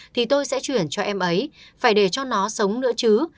thì tôi sẽ chuyển cho em ấy phải để cho nó sống nữa chứ